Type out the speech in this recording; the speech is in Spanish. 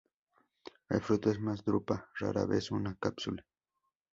El fruto es una drupa, rara vez una cápsula.